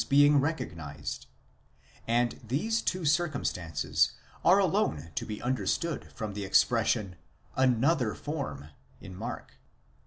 731 being recognized, and these two circumstances are alone to be understood from the expression ἑτέρα μορφὴ, another form, in Mark.